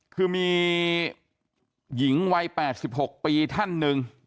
คือมีหญิงวัย๘๖ปีท่านหนึ่ง